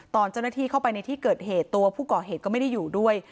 ตอนเจ้าหน้าที่เข้าไปในที่เกิดเหตุตัวผู้ก่อเหตุก็ไม่ได้อยู่ด้วย